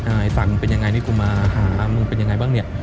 ไอ้ฝั่งมึงเป็นยังไงนี่กูมาหามึงเป็นยังไงบ้างเนี่ย